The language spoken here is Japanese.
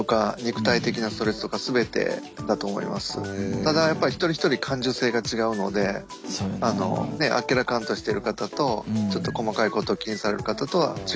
ただやっぱリ一人一人感受性が違うのであのあっけらかんとしてる方とちょっと細かいことを気にされる方とは違うと思います。